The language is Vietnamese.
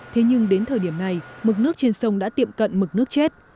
thế nhưng đến thời điểm này mực nước trên sông đã tiệm cận mực nước chết